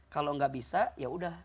kalau tidak bisa ya sudah